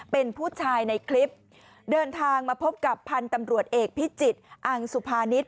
เป็นผู้ชายในคลิปเดินทางมาพบกับพันธุ์ตำรวจเอกพิจิตรอังสุภานิษฐ